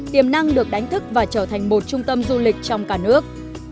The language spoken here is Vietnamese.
tiềm năng được đánh thức và trở thành một trung tâm du lịch trong cả nước